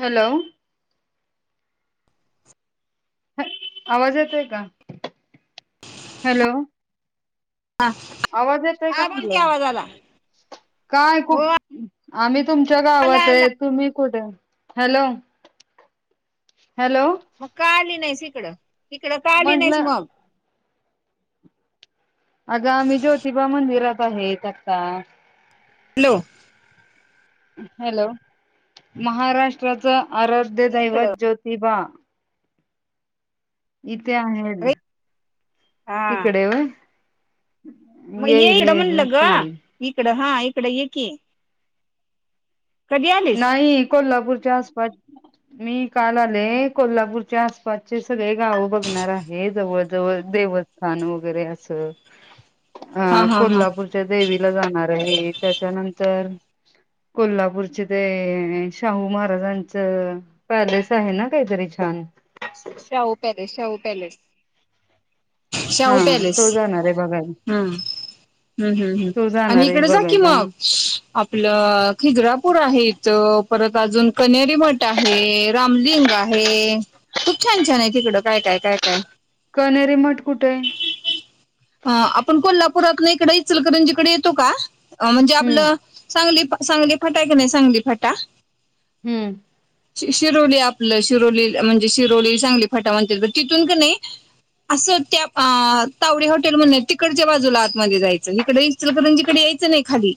Hello आवाज येतोय का हॅलो हा आवाज येतय का हा बोल की म्हणल आवाज आला हो काय खूप आमीत् तुमच्या आला गावात आला ये तुम्ही कुढ हॅलो हॅलो मग का आली नाही तीकड तकड का आली नाहीस म्हटलं मग अग आम्ही ज्योतिबा मंदिरात आहे एकत्ता लो हॅलो महाराष्ट्राच आराध्य इकडं दैवत ज्योतिबा इट ते आहे घरी अरे तिकडे व मये इकड म्हणाल ग येईल इकड हा इकड ये की कधी आलीस नाही कोल्हापूर. आसप मी काल आले कोल्हापूरच्या आसपासचे सगळे गाव बघणार आहे जवळ जवळ देवस्थान वगैरे असं. हा अ हा हा कोल्हापूरच्या देवीला जाणार. आहे त्याच्यानंतर? कोल्हापूरची. ते शाहू महाराजांचं पॅलेस आहे ना काहीतरी छान. Shahu palace Shahu palace. हा शाहू पॅलेस तो जाणार आहे बघायला हम् ह् हम् ह् तो आणि जाणार आहे इकडे जा कि बघायला मग आपलं खिगरापूर आहेत. परत अजून कनेरी मठ आहे रामलिंग आहे. छान छान आहे तिकडं काय काय काय काय? कनेरी मठ कुठे ये. पुरात नाही इकडे चलकरंजकडे येतो का? अ म्हणजे. हम्म आपलं सांगली पा. सांगली फाटा की नाही सांगली फाटा. हम्म शिरोली आपलं शिरोली म्हणजे? ती दोरी सांगली फाटा? म्हणतील तिथून की असत्या तावडी हॉटेल म्हणून तिकडच्या बाजूला आत मध्ये. जायचं आणि पिस्टल करंजी कडे यायचं नाही खाली.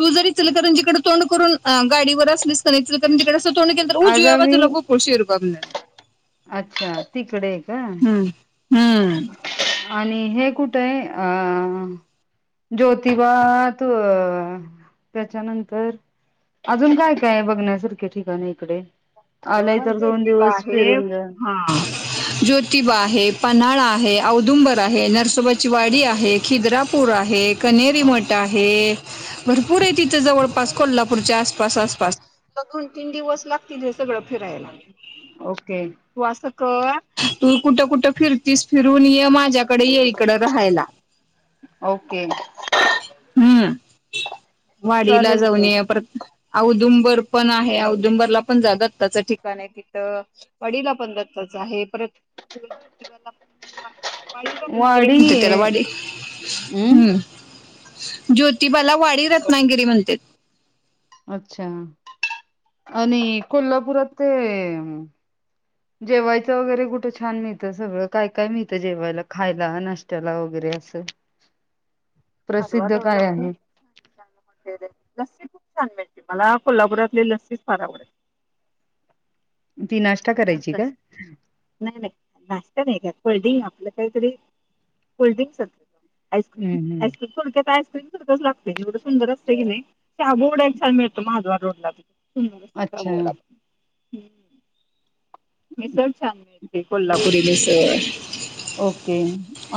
त जर इंस्टॉल करंजी कड करून. गाडीवर असलीच तर तिकडेंोंेल तर उजू आगामी आजला गोको शिरला? अच्छा तिकडे क [unintelligible] हम्म हम्म आणि हे कुठ ये. अ ज्योतिबा तू त्याच्यानंतर अजून काय काय बघण्यासारखे ठिकाण इकडे. आलंय अग तर दोन ज्योतिबा दिवस आहे फिरून जा हा ज्योतिबा आहे. पन्हाळा आहे औदुंबर आहे. नरसोबाची वाडी आहे. खिद्रापूर आहे कनेरी मठ आहे. भरपूर आहे तिथं जवळपास कोल्हापूरच्या आसपास आसपासन तीन दिवस लागतील. सगळं फिरायला लागेल. ओके तू असं कर. तू कुठं कुठं फिरतीस फिरून ये मा माझ्याकडे ये इकडं राहायला ओके हम्म वाडीला चालेल की जाऊन ये परत. औदुंबर पण आहे औदुंबरला पण जाता दत्ताचं ठिकाण आहे तिथं वाडीला पण दत्ताचं आहे परत आपल्या ज्योतिबाला पण [inaudible] वाडी रत्नागिरी वाडी म्हणते त्याला वाडी हम् हम्म. ज्योतिबाला वाडी रत्नागिरी म्हणतेत. अच्छा आणि कोल्हापुरात ते जेवायचं वगैरे कुठे छान मिळतं सगळं काय काय मिळतं जेवायला खायला नाष्ट्याला वगैरे असं. [inaudible] प्रसिद्ध रोड ला काय पण आहे छान छान हॉटेल आहेत. लस्सी खूप छान भेटते. मला कोल्हापुरातली लस्सी फार आवडते. ती नाश्ता करायची मस् का नाही नाही नाश्ता नाही कर [inaudible] आपलं काहीतरी [inaudible] आईस्क्रीम हम्म हम् आइस्क्रीम [inaudible] सारखंच लागते एवढ सुंदर असते की नाही चहा [inaudible] मिळतो महाद्वार रोडला तिथं. अच्छा ह् [inaudible] हम्म. मिसळ छान मिळती कोल्हापुरी मिसळ. ओके.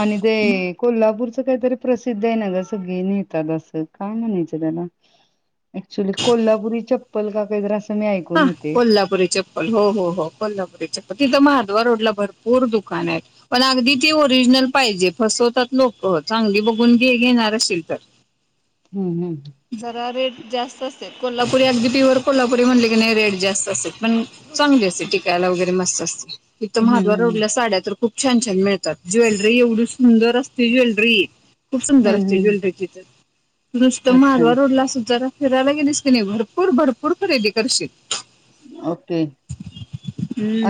आणि ते कोल्हापूर तिथं काय तरी प्रसिद्ध हाय ना ग सगळी म्हणतात असं काय म्हणायचं त्याला कोल्हापुरी अच चप्पल का काय कायतरी अस हा कोल्हापुरी चप्पल हो हो हो कोल्हापुरी चप्पल. तिथं महाद्वार रोडला भरपूर दुकानं आहेत पण अगदी ती ओरिजनल पाहिजे फसवतात लोकं चांगली बघून घे घेणार असशील तर. हम्म हम्. जरा रेट जास्त असतते कोल्हापुरी अगदी पीवर कोल्हापुरी म्हणले की नाही रेट जास्त असतेत पण चांगली असते टिकायला वगैरे मस्त. [unintelligible] इथं हम्म महाद्वार हम्म रोडला साड्या तर खूप छान छान मिळतात ज्वेलरी एवढी सुंदर असते ज्वेलरी खूप सुंदर हम्म असते हम्म ज्वेलरी ती तर ते अच्छा महाद्वार रोडला असं जरा फिरायला गेलीस की नाय भरपूर भरपूर खरेदी करशील. ओके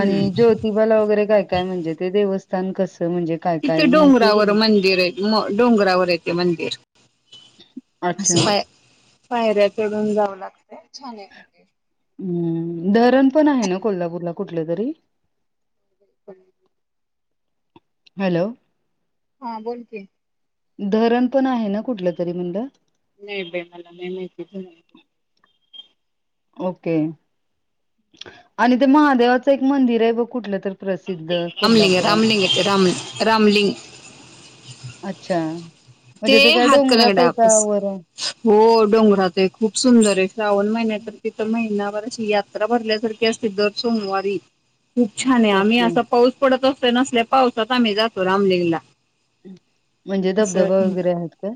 आणि ज्योतिबाला वगैरे काय काय म्हणजे ते देवस्थान कस तिथे डोंगरावर मंदिर आहे डोंगरावर ए ते मंदिर. अस अच्छा पा पायऱ्या चढून जाव लागतं छान आहे पण ते हम्म धरण पण आहे ना कोल्हापूरला कुठले तरी? [unintelligible] हॅलो. हा बोल की धरण पण आहे ना कुठलं तरी म्हणलं. नाही बाई मला नाही माहिती धरण ओके आणि ते महादेवाचं एक मंदिर आहे बघ कुठलं तर प्रसिद्ध रामलिंग रामलिंग कोल्हापुरात रामलिंग आहे ते रामलिंग अच्छा. ते म्हणजे काय डोंगरात हातकणंगल्या आहे का वर आहे? [unintelligible] हो डोंगरात आहे खूप सुंदर आहे श्रावण महिन्या तर तिथं महिनाभरच यात्रा भरल्यासारखी असते दर सोमवारी. खूप छान आहे आम्ही ओके असा पाऊस पडत असतो तर असल्या पावसात आम्ही जातो रामलिंगला म्हणजे धबधबा वगैरे आहेत का?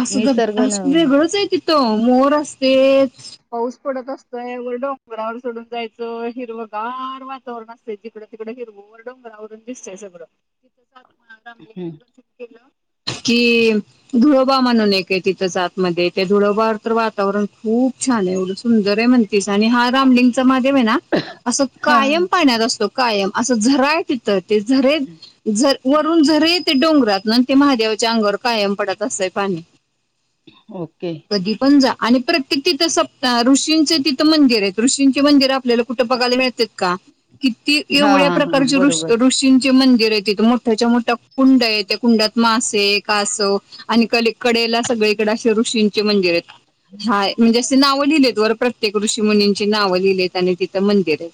अस तर निसर्ग अस न वेगळच आहे तिथं मोर असतेच पाऊस पडत असतोय वर डोंगरावर चढून जायचं हिरवगार वातावरण असतय तिकडं तिकडं हिरवगार डोंगरावरून दिसतंय सगळं तिथ हं [unintelligible] ते धुळोबा म्हणून एक आहे तिथ आत मध्ये त्या धुळबावर तर वातावरण खूप छान हाय एवढं सुंदर आहे म्हणतीस आणि हा रामलिंगचा महा [unintelligible] असं हा कायम हा. पाण्यात असत कायम असं झरा हाय तिथं ते झरे झ वरून झरे ते डोंगरात ना ते महादेव च्या अंगावर कायम पडत असंतय पाणी ओके कधी पण जा आणि प्रत्येक तिथं सप्ताह ऋषींचे तिथं मंदिर आहेत. ऋषींचे मंदिर आपल्याला कुठे बघायला मिळतात का? किती हा एवढ्या हा हा हा. प्रकारचे ऋष बरोबर ऋषींचे मंदिर तिथं एक मोठ्याच्या मोठ्या कुंड आहे त्या कुंडात मास से, कासव आणि क कडेला सगळीकडे असे ऋषींचे मंदिर आहेत. हाय म्हणजे असं नाव लिहिलेत? वर प्रत्येक ऋषी मुनींची नाव लिहिलीत आणि तिथं मंदिर आहे.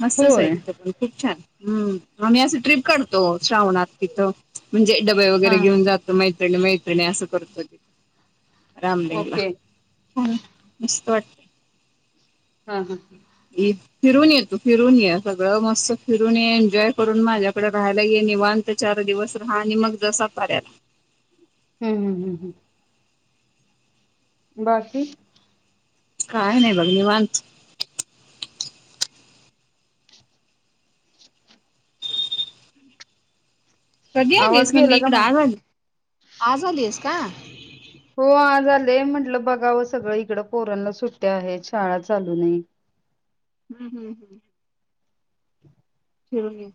मस्तच आहे होय तीथं पण खूप छान हम्म आम्ही असं ट्रिप काढतो श्रावणात तिथं म्हणजे डॉ हा वगैरे हा घेऊन हा जातो मैत्रीण मैत्रिणी वगैरे नाही असं करत रामलींगला ओके वा. हा हा फिरून येतू फिरून ये सगळं मस्त फिरून ये एन्जॉय करून माझ्याकडे राहायला ये निवांत चार दिवस रहा आणि मग- जसाफ्याला हम्म हम्म हम्म हम् बाकी काय नाही बघ निवांत कधी आवाज आलीस गेला का म्हणलीकडा आ मग? झाली आज आलीयेस का हो हा झालं. ते म्हटलं बघावं सगळं इकडं पोराला सुट्टया आहेत. शाळा चालूू नाही. हम्म. हम्म. हम. हम.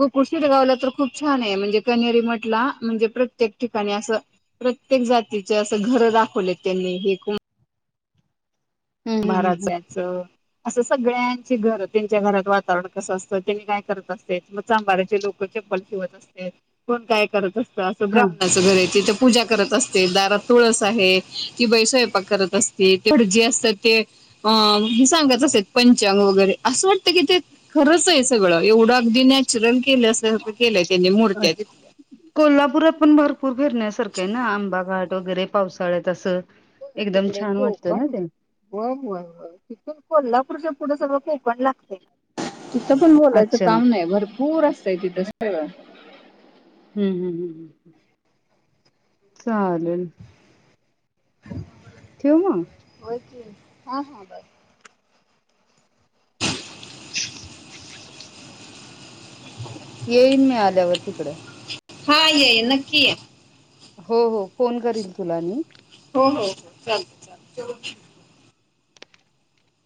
गोकुळ शिरगावला तर खूप छान आहे. म्हणजे कनेरी मटला म्हणजे प्रत्येक ठिकाणी असं प्रत्येक जातीच असं घर दाखवलेत त्यांनी हे कोण हं हं हं हं महाराजांचं. असं सगळ्यांची घर, त्यांच्या घरात वातावरण कसं असतं? त्यांनी काय करत असते? चांभाराचे लोक [unintelligible] ठेवत असत्यात. कोण काय करत असत? असं हा ब्राम्हणाचं घर आहे. तिथं पूजा करत असते, दारात तुळस आहे, ती बाई स्वयंपाक करत असते, ते भटजी असतात ते हे सांगत असत पंचांग वगैरे असं वाटतं की, ते खरंच आहे सगळं एवढं अगदी चूर्ण केलं सारख्या केल्याय त्यांनी मुर्त्या अच्छा तिथं. सारखं आहे ना, आंबा घाट वगैरे पावसाळ्यात असं. हो एकदम तिकडे छान वाटतं कोकण ना ते व्हयं व्हयं व्हयं तिथून कोल्हा पुढच्या पुढं सगळं कोकण लागतयं. तिथं पण बोलायचं अच्छा काम हम्म नाही भरप पूर असतय तिस सगळं. हम्म. हम्म. हम्म. चालेलं. [inaudible] होय की हा हा बर. येईन मी आल्यावर तिकडे. हा ये ये नक्की ये. हो. हो. फोन करील तुला मी. हो हो चालतंय चालतंय.